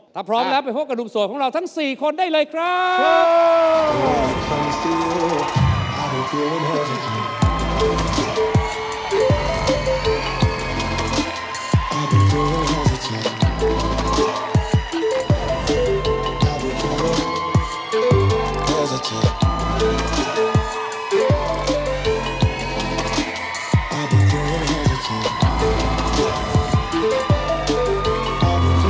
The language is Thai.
ถ้าพร้อมแล้วไปพบกับหนุ่มโสดของเราทั้ง๔คนได้เลยครับ